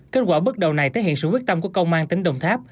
kết quả bước đầu này thể hiện sự quyết tâm của công an tỉnh đồng tháp